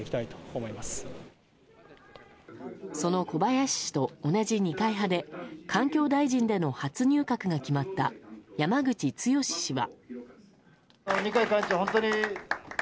その小林氏と同じ二階派で環境大臣での初入閣が決まった山口壮氏は。